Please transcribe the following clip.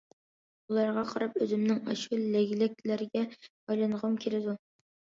ئۇلارغا قاراپ ئۆزۈمنىڭ ئاشۇ لەگلەكلەرگە ئايلانغۇم كېلىدۇ.